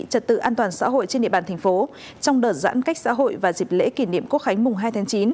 trật tự an toàn xã hội trên địa bàn thành phố trong đợt giãn cách xã hội và dịp lễ kỷ niệm quốc khánh mùng hai tháng chín